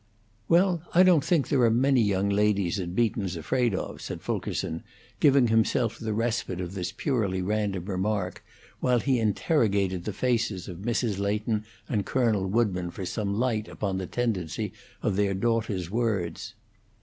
"Well, I don't think there are many young ladies that Beaton's afraid of," said Fulkerson, giving himself the respite of this purely random remark, while he interrogated the faces of Mrs. Leighton and Colonel Woodburn for some light upon the tendency of their daughters' words.